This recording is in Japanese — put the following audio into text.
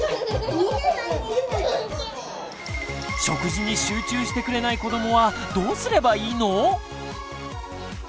食事に集中してくれない子どもはどうすればいいの？